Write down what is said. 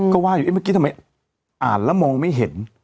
ก็ว่าอยู่เมื่อกี้ทำไมอ่านแล้วมองไม่เห็น